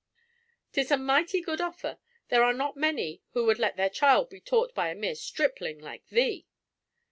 'Tis a mighty good offer. There are not many who would let their child be taught by a mere stripling like thee!"